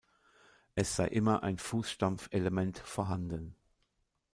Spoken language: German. Es sei immer ein "Fußstampf"-Element vorhanden.